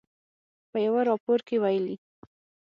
په یوه راپور کې ویلي